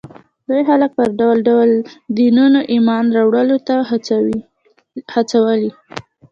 دوی خلک پر ډول ډول دینونو ایمان راوړلو ته هڅولي